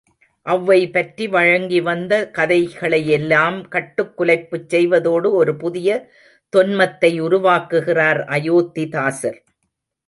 ஒளவை பற்றி வழங்கி வந்த கதைகளையெல்லாம் கட்டுக்குலைப்புச் செய்வதோடு ஒரு புதிய தொன்மத்தை உருவாக்குகிறார் அயோத்திதாசர்.